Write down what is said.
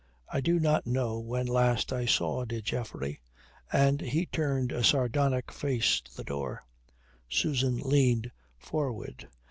"I do not know when last I saw dear Geoffrey," and he turned a sardonic face to the door. Susan leaned forward.